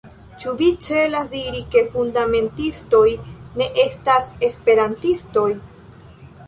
Ĉu vi celas diri, ke fundamentistoj ne estas Esperantistoj?